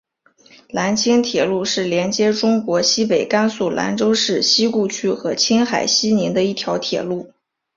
兰青铁路是连接中国西北甘肃兰州市西固区和青海西宁的一条铁路。